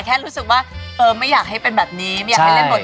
เขาไม่หินนะ